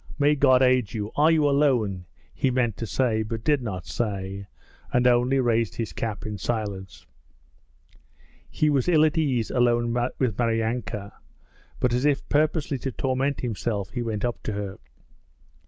May God aid you! Are you alone?' he meant to say but did not say, and only raised his cap in silence. He was ill at ease alone with Maryanka, but as if purposely to torment himself he went up to her.